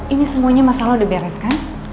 ini semuanya masalah udah beres kan